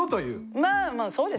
まあそうです。